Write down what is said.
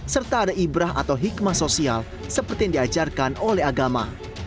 serta ada ibrah atau hikmah sosial seperti yang diajarkan oleh agama